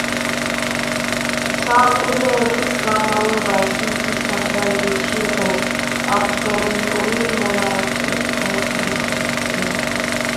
საუკუნეების განმავლობაში იგი საფრანგეთში იყო აბსოლუტური მონარქიის დასაყრდენი.